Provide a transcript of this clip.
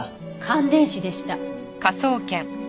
感電死でした。